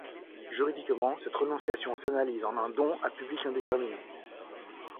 Juridiquement, cette renonciation s'analyse en un don à public indéterminé.